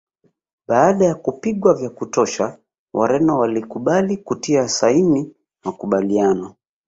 Baada ya kupigwa vya kutosha Wareno walikubali kutia saini makubaliano